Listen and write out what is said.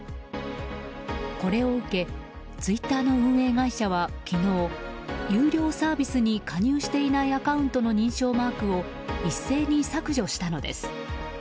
これを受けツイッターの運営会社は昨日、有料サービスに加入していないアカウントの認証マークを一斉に削除したのです。